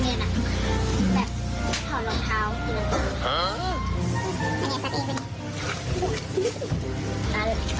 มาเริ่มมาเก็บช่องด้วย